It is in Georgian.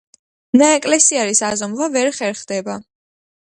ნაეკლესიარის აზომვა ვერ ხერხდება.